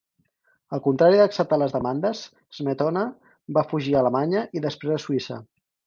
Al contrari d'acceptar les demandes, Smetona va fugir a Alemanya i després a Suïssa.